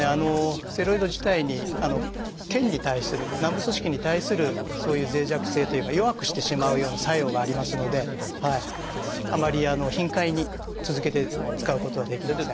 ステロイド自体に腱に対する軟部組織に対するそういう脆弱性というか弱くしてしまうような作用がありますのであまり頻回に続けて使うことはできません。